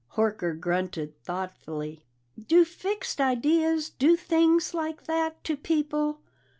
Horker grunted thoughtfully. "Do fixed ideas do things like that to people?"